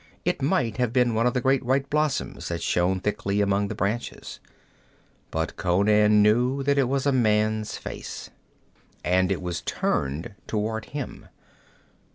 It might have been one of the great white blossoms which shone thickly among the branches. But Conan knew that it was a man's face. And it was turned toward him.